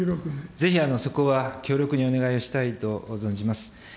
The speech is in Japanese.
ぜひそこは強力にお願いをしたいと存じます。